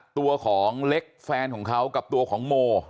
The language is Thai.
ตัวของเล็กแฟนของเขากับตัวของโม